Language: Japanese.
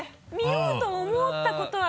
見ようと思ったことは。